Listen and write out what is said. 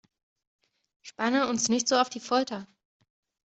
Spanne uns nicht so auf die Folter!